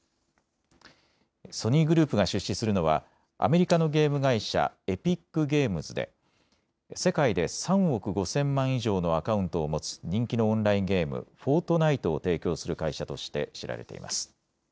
ソニーグループが出資するのはアメリカのゲーム会社、エピックゲームズで世界で３億５０００万以上のアカウントを持つ人気のオンラインゲーム、フォートナイトを提供する会社として知られています。